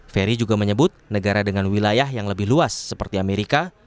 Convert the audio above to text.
ferry juga menyebut negara dengan wilayah yang lebih luas seperti amerika